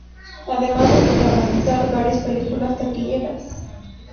Además de protagonizar varias películas taquilleras.